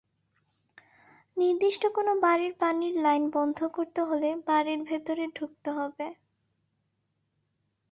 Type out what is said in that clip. নির্দিষ্ট কোনো বাড়ির পানির লাইন বন্ধ করতে হলে বাড়ির ভেতরে ঢুকতে হবে।